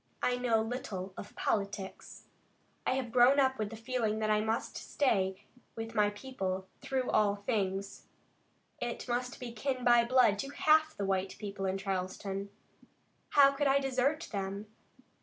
I know little of politics. I have grown up with the feeling that I must stay with my people through all things. I must be kin by blood to half the white people in Charleston. How could I desert them?"